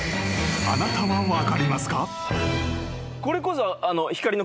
あなたは分かりますか？］